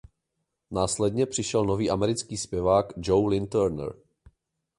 Následně přišel nový americký zpěvák Joe Lynn Turner.